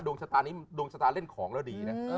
ดวงชะตาเล่นของแล้วดี